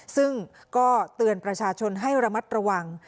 ซึ่งก็เตือนประชาชนให้ระมัดระวัง